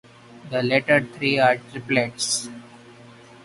The latter three are triplets.